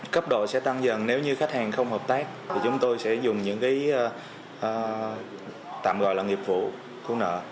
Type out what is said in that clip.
cấp độ sẽ tăng dần nếu như khách hàng không hợp tác thì chúng tôi sẽ dùng những cái tạm gọi là nghiệp vụ thu nợ